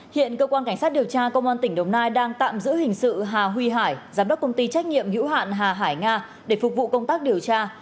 hiện cơ quan cảnh sát điều tra công an tỉnh đồng nai đang tạm giữ hình sự hà huy hải giám đốc công ty trách nhiệm hữu hạn hà hải nga để phục vụ công tác điều tra